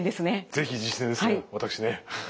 是非実践ですね私ね。